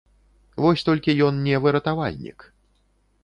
Вось толькі ён не выратавальнік.